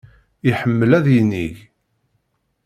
Iḥemmel ad yinig.